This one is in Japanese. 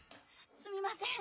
すみません。